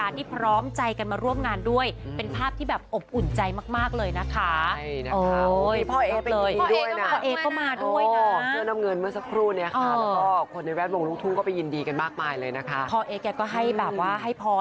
แล้วความสูง๑๗ชั้นฟ้า